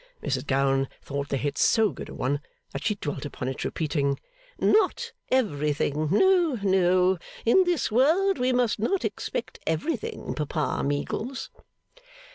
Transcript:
Mrs Gowan thought the hit so good a one, that she dwelt upon it; repeating 'Not everything. No, no; in this world we must not expect everything, Papa Meagles.